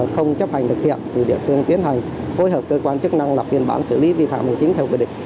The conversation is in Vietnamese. không chấp hành thực hiện thì địa phương tiến hành phối hợp cơ quan chức năng lập biên bản xử lý vi phạm hành chính theo quy định